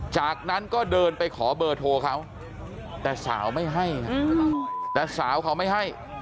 จากนั้นก็เดินไปขอเบอร์โทรเขาแต่สาวไม่ให้นะแต่สาวเขาไม่ให้